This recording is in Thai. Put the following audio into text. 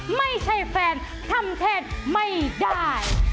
ไม่ใช่แฟนทำแทนไม่ได้